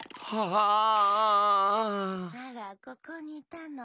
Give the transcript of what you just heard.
あらここにいたの？